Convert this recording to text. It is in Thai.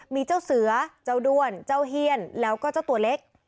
มีเจ้าเสือเจ้าด้วนเจ้าเฮียนแล้วก็เจ้าตัวเล็ก